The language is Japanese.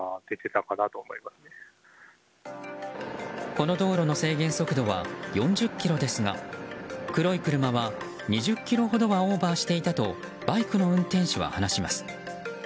この道路の制限速度は４０キロですが黒い車は、２０キロほどはオーバーしていたとバイクの運転手は話します。